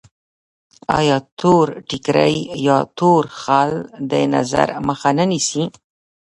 آیا تور ټیکری یا تور خال د نظر مخه نه نیسي؟